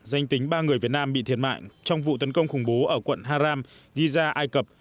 danh tính ba người việt nam bị thiệt mạng trong vụ tấn công khủng bố ở quận haram giza ai cập